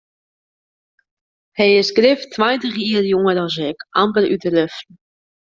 Hy is grif tweintich jier jonger as ik, amper út de ruften.